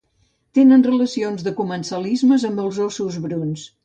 Tenen relacions de comensalisme amb els óssos bruns.